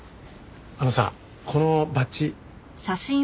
あのさこのバッジうん。